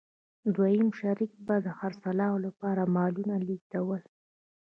دویم شریک به د خرڅلاو لپاره مالونه لېږدول